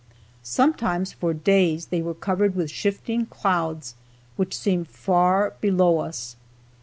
Sometimes for days, they were covered with shifting clouds which seemed far below us.